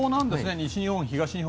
西日本、東日本